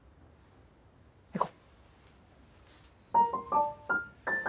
行こう。